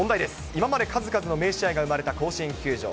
今まで数々の名試合が生まれた甲子園球場。